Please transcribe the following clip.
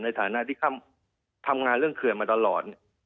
ในฐานะที่ทำงานเรื่องเขื่อนมาตลอด